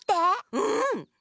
うん。